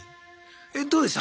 えどうでした？